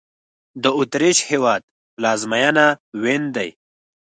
د اوترېش هېواد پلازمېنه وین دی